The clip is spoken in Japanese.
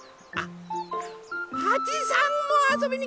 はちさんもあそびにきた！